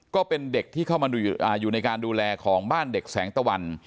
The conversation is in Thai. ก็เป็นเด็กที่เข้ามาอยู่ในการดูแลของบ้านเด็กแสงตะวัน